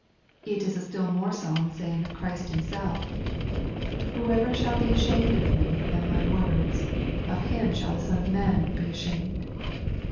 It is a still more solemn saying of Christ Himself, " Whosoever shall be ashamed of me and my words, of him shall the Son of man be asham ed.''